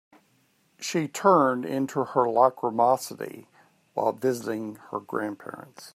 She turned into her lachrymosity while visiting her grandparents.